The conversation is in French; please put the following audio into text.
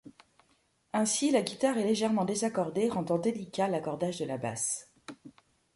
Ainsi la guitare est légèrement désaccordée rendant délicat l'accordage de la basse.